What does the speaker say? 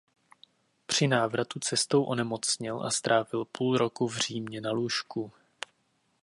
Při návratu cestou onemocněl a strávil půl roku v Římě na lůžku.